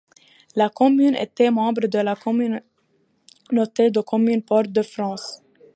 La commune était membre de la communauté de communes Portes de France.